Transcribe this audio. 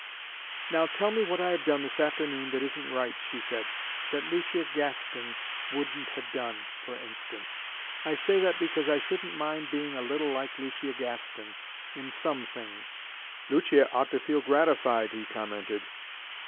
"Now tell me what I have done this afternoon that isn't right," she said, "that Lucia Gaston wouldn't have done, for instance. I say that, because I shouldn't mind being a little like Lucia Gaston in some things." "Lucia ought to feel gratified," he commented.